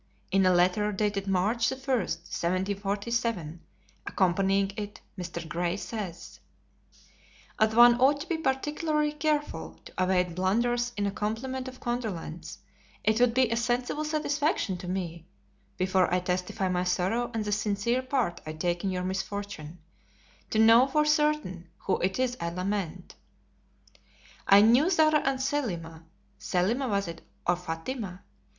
In a letter dated March 1, 1747, accompanying it, Mr. Gray says: "As one ought to be particularly careful to avoid blunders in a compliment of condolence, it would be a sensible satisfaction to me (before I testify my sorrow and the sincere part I take in your misfortune) to know for certain who it is I lament. [Note the 'Who.'] I knew Zara and Selima (Selima was it, or Fatima?)